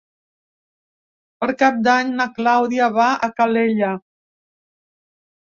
Per Cap d'Any na Clàudia va a Calella.